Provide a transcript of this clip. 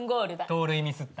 盗塁ミスった。